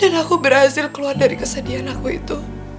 dan aku berhasil keluar dari kesedihan aku itu